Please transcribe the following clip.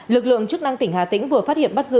lực lượng chức năng tỉnh hà tĩnh vừa phát hiện bắt giữ